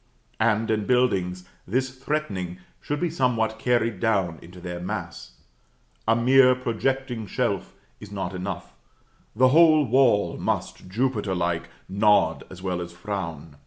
And, in buildings, this threatening should be somewhat carried down into their mass. A mere projecting shelf is not enough, the whole wall must, Jupiter like, nod as well as frown.